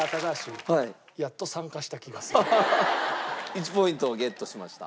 １ポイントゲットしました。